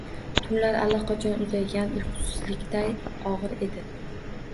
Tunlar allaqachon uzaygan, uyqusizlikday ogʻir edi.